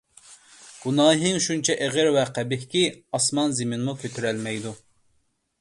گۇناھىڭ شۇنچە ئېغىر ۋە قەبىھكى، ئاسمان - زېمىنمۇ كۆتۈرەلمەيدۇ!